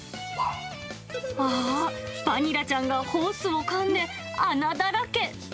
ああ、バニラちゃんがホースをかんで、穴だらけ。